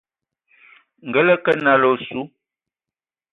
Ngǝ lǝ kǝ nalǝ a osu,